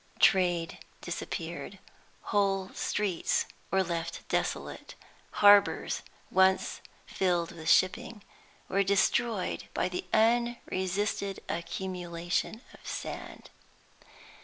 Trade disappeared; whole streets were left desolate. Harbors, once filled with shipping, were destroyed by the unresisted accumulation of sand.